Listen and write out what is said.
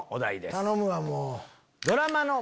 頼むわもう。